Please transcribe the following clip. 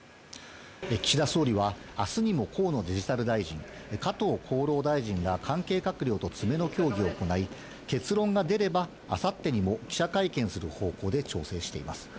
岸田総理は、あすにも河野デジタル大臣、加藤厚労大臣ら関係閣僚と詰めの協議を行い、結論が出れば、あさってにも記者会見する方向で調整しています。